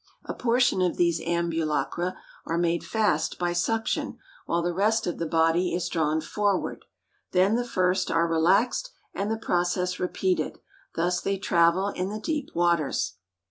A portion of these ambulacra are made fast by suction while the rest of the body is drawn forward; then the first are relaxed and the process repeated, thus they travel in the deep waters.